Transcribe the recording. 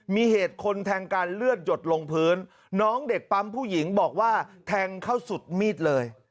มีเหตุคนแทงการเลือดหยดลงพื้นน้องเด็กปั๊มผู้หญิงบอกว่าแทงเข้าสุดมีดเลย